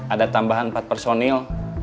ada tambahan empat personil